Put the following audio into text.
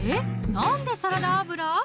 なんでサラダ油？